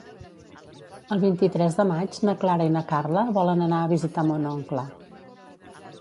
El vint-i-tres de maig na Clara i na Carla volen anar a visitar mon oncle.